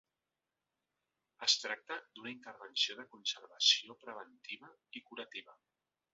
Es tracta d’una intervenció de conservació preventiva i curativa.